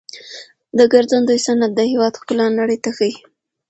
د ګرځندوی صنعت د هیواد ښکلا نړۍ ته ښيي.